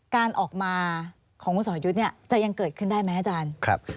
การออกมาของคุณสอรยุทธ์เนี่ยจะยังเกิดขึ้นได้ไหมอาจารย์